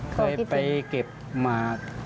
เคยไปเก็บหมาก